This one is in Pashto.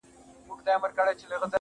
ستا د رخسار خبري ډيري ښې دي,